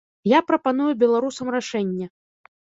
Я прапаную беларусам рашэнне.